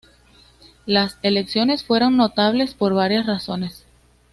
Las elecciones fueron notables por varias razones.